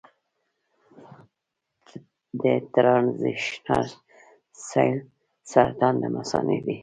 د ټرانزیشنل سیل سرطان د مثانې دی.